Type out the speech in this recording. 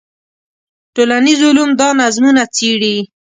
ټولنیز علوم دا نظمونه څېړي.